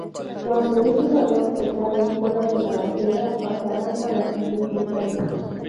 Cuando un jugador se cae fuera de la acera, pasarán a la siguiente calle.